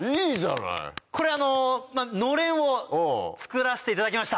これのれんを作らせていただきました。